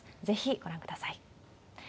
ぜひご覧ください。